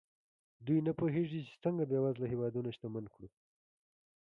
دوی نه پوهېږي چې څنګه بېوزله هېوادونه شتمن کړو.